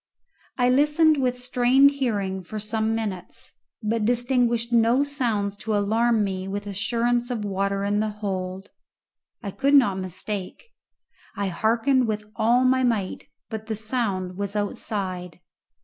I listened with strained hearing for some minutes, but distinguished no sounds to alarm me with assurance of water in the hold. I could not mistake. I hearkened with all my might, but the noise was outside.